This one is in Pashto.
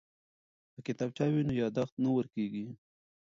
که کتابچه وي نو یادښت نه ورکیږي.